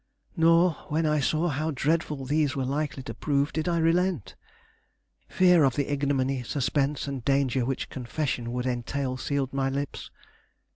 Nor, when I saw how dreadful these were likely to prove, did I relent. Fear of the ignominy, suspense, and danger which confession would entail sealed my lips.